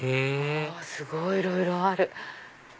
へぇいろいろある！